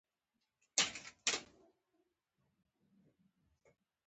د غنمو د رژیم هضم بدن ته ستونزمن و.